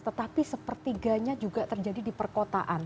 tetapi sepertiganya juga terjadi di perkotaan